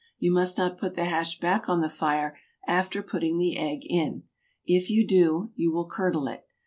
You must not put the hash back on the fire after putting the egg in. If you do you will curdle it.